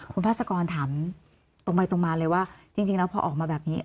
คุณพาสกรถามตรงไปตรงมาเลยว่าจริงแล้วพอออกมาแบบนี้